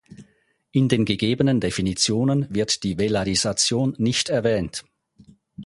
In den gegebenen Definitionen wird die Velarisation nicht erwähnt.